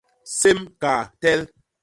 Sém, kaa, tel.